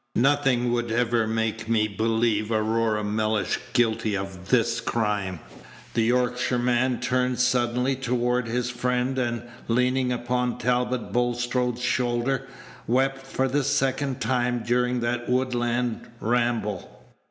Nothing would ever make me believe Aurora Mellish guilty of this crime." The Yorkshireman turned suddenly toward his friend, and, leaning upon Talbot Bulstrode's shoulder, wept for the second time during that woodland ramble.